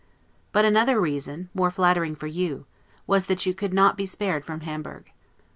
But another reason, more flattering for you, was, that you could not be spared from Hamburg.